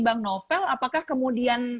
bang novel apakah kemudian